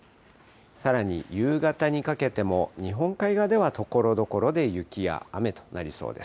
さらに夕方にかけても、日本海側ではところどころで雪や雨となりそうです。